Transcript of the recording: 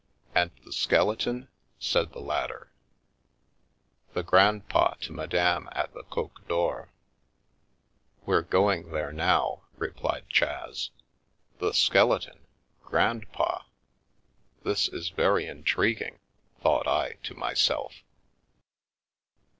" And the skeleton ?" said the latter. " The grandpa to Madame at the Coq d'Or. We're going there, now," replied Chas. " The skeleton ! Grandpa ! This is very intrigu ing !" thought I to myself.